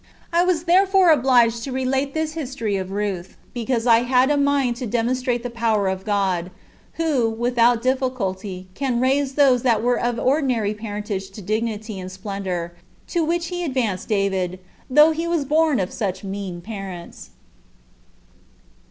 I was therefore obliged to relate this history of Ruth, because I had a mind to demonstrate the power of God, who, without difficulty, can raise those that are of ordinary parentage to dignity and splendor, to which he advanced David, though he were born of such mean parents.